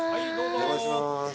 お邪魔します。